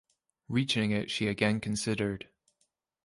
Reaching it she again considered.